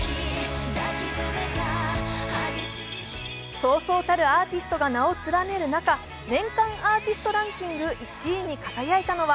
そうそうたるアーティストが名を連ねる中年間アーティストランキング１位に輝いたのは